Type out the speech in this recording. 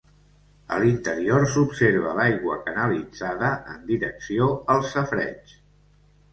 A l'interior s'observa l'aigua canalitzada en direcció al safareig.